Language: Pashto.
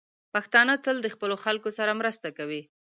پښتانه تل د خپلو خلکو سره مرسته کوي.